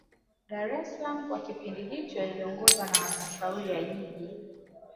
dar es salaam kwa kipindi hicho iliongozwa na halmashauri ya jiji